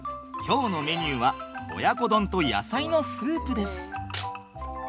今日のメニューは親子丼と野菜のスープです。